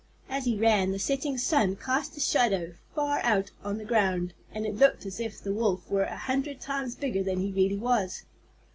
As he ran, the setting sun cast his shadow far out on the ground, and it looked as if the wolf were a hundred times bigger than he really was.